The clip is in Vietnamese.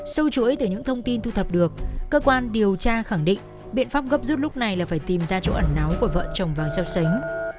sâu chuỗi từ những thông tin thu thập được cơ quan điều tra khẳng định biện pháp gấp rút lúc này là phải tìm ra chỗ ẩn náu của vợ chồng vàng xeo xánh